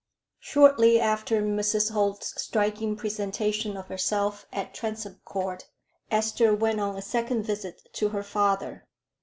Shortly after Mrs. Holt's striking presentation of herself at Transome Court, Esther went on a second visit to her father.